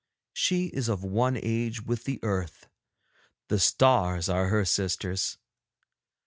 She is of one age with the earth; the stars are her sisters.